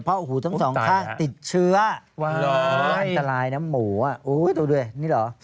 เพราะหูทั้งสองข้างติดเชื้อหวานตลายนะหมูอะอุ๊ยดูด้วยนี่เหรอ